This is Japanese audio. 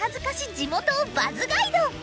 地元をバズガイド！